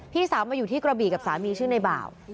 พี่สาวมาอยู่ที่กระบี่กับสามีชื่อในบ่าว